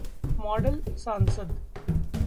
model सांसद